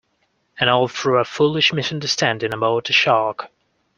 And all through a foolish misunderstanding about a shark.